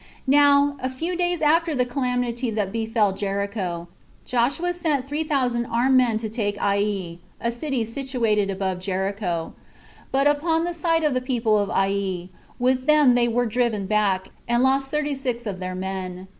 12. Now, a few days after the calamity that befell Jericho, Joshua sent three thousand armed men to take Ai, a city situate above Jericho; but, upon the sight of the people of Ai, with them they were driven back, and lost thirty six of their men.